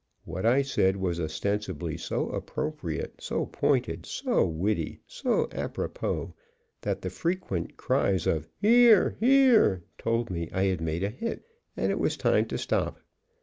What I said was ostensibly so appropriate, so pointed, so witty, so apropos, that the frequent cries of "Hear! Hear!" told me I had made a hit, and it was time to stop.